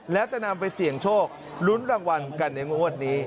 แล้วจะนำไปเสี่ยงโชคลุ้นรางวัลกันในงวดนี้